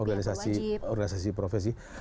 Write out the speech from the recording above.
atau organisasi profesi